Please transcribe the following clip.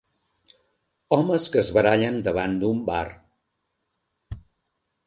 Homes que es barallen davant d'un bar.